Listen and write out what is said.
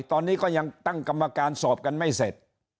ตอนนี้ก็ยังตั้งกรรมการสอบกันไม่เสร็จ